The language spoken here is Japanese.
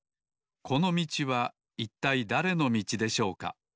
このみちはいったいだれのみちでしょうか？